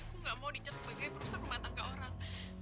gue nggak mau dicap sebagai perusahaan rumah tangga orang